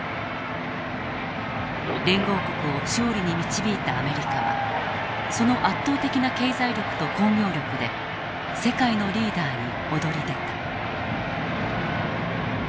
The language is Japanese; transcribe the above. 連合国を勝利に導いたアメリカはその圧倒的な経済力と工業力で世界のリーダーに躍り出た。